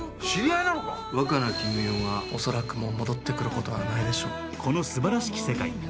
若菜絹代は恐らく、もう戻ってくることはないでしょう。